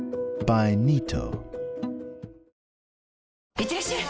いってらっしゃい！